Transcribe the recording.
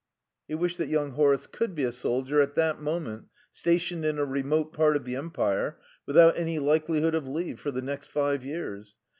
He wished that young Horace could be a soldier at that moment, stationed in a remote part of the Empire, without any likelihood of leave for the next five years.